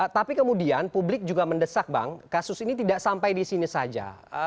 tapi kemudian publik juga mendesak bang kasus ini tidak sampai di sini saja